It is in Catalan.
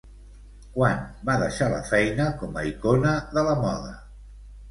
Quan va deixar la feina com a icona de la moda?